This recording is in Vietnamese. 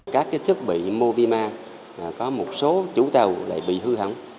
các thiết bị mô vi ma có một số chú tàu lại bị hư hỏng